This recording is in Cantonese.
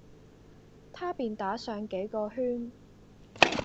他便打上幾個圈；